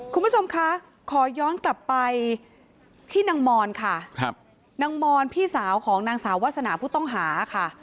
คุณผู้ชมคะขอย้อนกลับไปที่นางมอนค่ะครับนางมอนพี่สาวของนางสาววาสนาผู้ต้องหาค่ะ